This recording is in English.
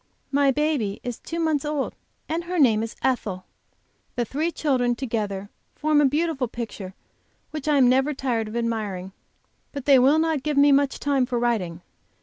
My baby is two months old, and her name is Ethel. The three children together form a beautiful picture which I am never tired of admiring. But they will not give me much time for writing.